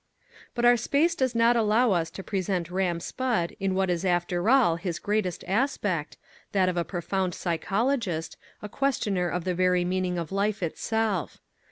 But our space does not allow us to present Ram Spudd in what is after all his greatest aspect, that of a profound psychologist, a questioner of the very meaning of life itself.